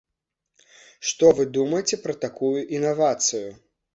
Што вы думаеце пра такую інавацыю?